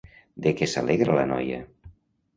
De què s'alegra la noia?